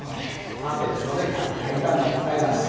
さてどれが大胆な答えなのか。